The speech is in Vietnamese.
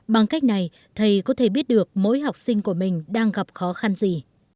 bằng cách này thầy có thể biết được mỗi học sinh của mình đang gặp khó khăn gì